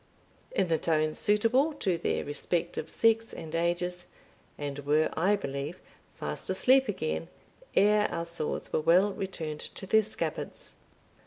in the tone suitable to their respective sex and ages, and were, I believe, fast asleep again, ere our swords were well returned to their scabbards.